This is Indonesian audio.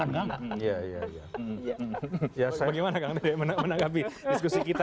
bagaimana menanggapi diskusi kita